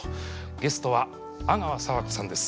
ゲストは阿川佐和子さんです。